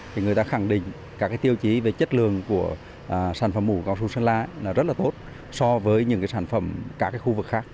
thì người ta khẳng định các cái tiêu chí về chất lượng của sản phẩm mù cao su sơn la là rất là tốt so với những cái sản phẩm các cái khu vực khác